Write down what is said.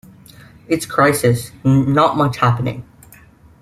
Its crisis: not much happening.